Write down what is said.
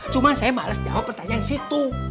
cuman saya males jawab pertanyaan si tu